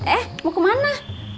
eh mau kemana